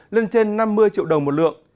lên trên năm mươi triệu đồng một lượng